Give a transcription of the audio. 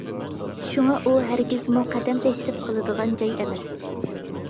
شۇڭا ئۇ ھەرگىزمۇ قەدەم تەشرىپ قىلىدىغان جاي ئەمەس.